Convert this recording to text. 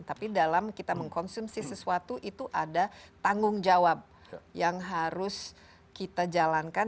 tapi dalam kita mengkonsumsi sesuatu itu ada tanggung jawab yang harus kita jalankan